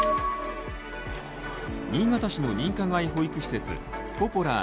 新潟市の認可外保育施設ポポラー